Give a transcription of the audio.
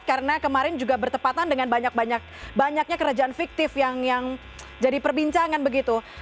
karena kemarin juga bertepatan dengan banyak banyaknya kerajaan fiktif yang jadi perbincangan begitu